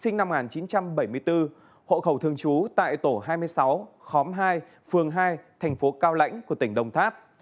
sinh năm một nghìn chín trăm bảy mươi bốn hộ khẩu thường trú tại tổ hai mươi sáu khóm hai phường hai thành phố cao lãnh của tỉnh đồng tháp